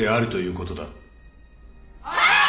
はい！